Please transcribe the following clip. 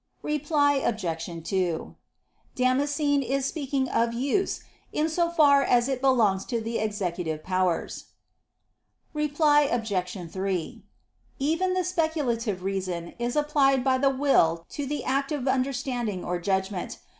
Reply Obj. 2: Damascene is speaking of use in so far as it belongs to the executive powers. Reply Obj. 3: Even the speculative reason is applied by the will to the act of understanding or judging.